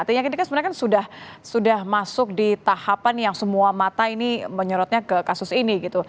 artinya ini kan sebenarnya sudah masuk di tahapan yang semua mata ini menyerotnya ke kasus ini gitu